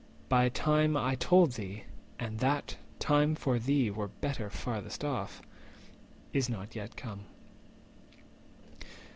My time, I told thee (and that time for thee Were better farthest off), is not yet come.